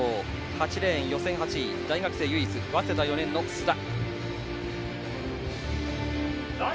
８レーン、予選８位唯一の大学生早稲田４年の須田。